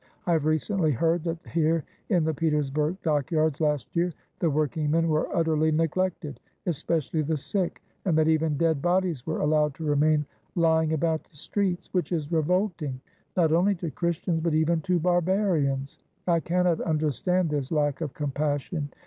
I have recently heard that here in the Petersburg dock yards, last year, the working men were utterly neglected, especially the sick, and that even dead bodies were al lowed to remain lying about the streets, which is revolt ing not only to Christians, but even to barbarians. I cannot understand this lack of compassion.